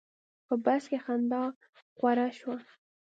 په بس کې خندا خوره شوه.